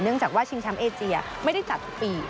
เนื่องจากว่าชิงแชมป์เอเจียไม่ได้จัดปี